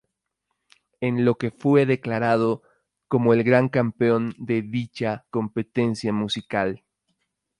En lo que fue declarado, como el gran campeón de dicha competencia musical.